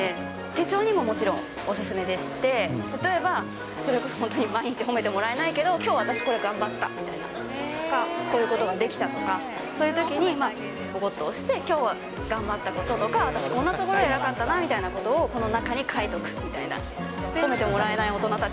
手帳にももちろんお勧めでして、例えば、それこそ本当に、毎日、褒めてもらえないけど、きょうは私、これ、頑張ったとか、こういうことができたとか、そういうときに、ぽこっと押して、きょうは頑張ったこととか、私、こんなところ偉かったなみたいなことを、この中に書いとくみたいな。